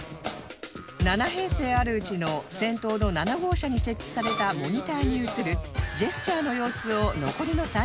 ７編成あるうちの先頭の７号車に設置されたモニターに映るジェスチャーの様子を残りの３人が検知します